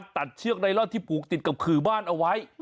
เชือกไนลอนที่ผูกติดกับขื่อบ้านเอาไว้